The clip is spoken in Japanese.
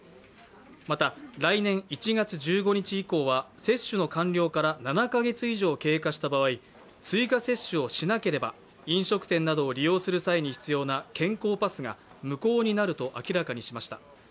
また、来年１月１５日以降は接種の完了から７カ月以上経過した場合、追加接種をしなければ飲食店などを利用する際に必要な健康パスが無効になると明らかにしました。